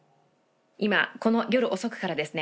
今この夜遅くからですね